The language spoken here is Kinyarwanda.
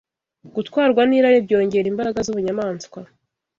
Gutwarwa n’irari byongera imbaraga z’ubunyamaswa